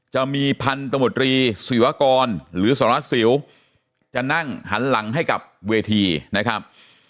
จะมีพันธมตรีศิวากรหรือสารวัสสิวจะนั่งหันหลังให้กับเวทีนะครับ